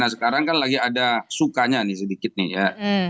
nah sekarang kan lagi ada sukanya nih sedikit nih ya